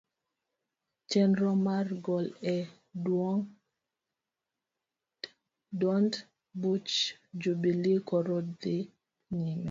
Chenro mar gol e duond buch jubilee koro dhi nyime.